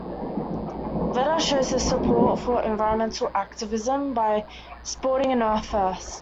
Vedder shows his support for environmental activism by sporting an Earth First!